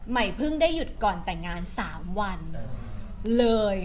เพิ่งได้หยุดก่อนแต่งงาน๓วันเลย